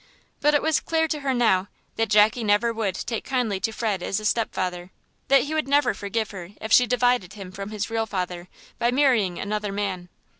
But it was clear to her now that Jackie never would take kindly to Fred as a stepfather; that he would never forgive her if she divided him from his real father by marrying another man.